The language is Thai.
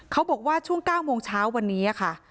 เขาบอกว่าช่วง๙โมงเช้าวันนี้ค่ะ